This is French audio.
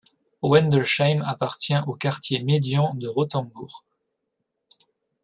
Wendelsheim appartient aux quartiers médians de Rottenburg.